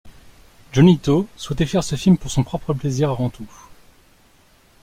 Johnnie To souhaitait faire ce film pour son propre plaisir avant tout.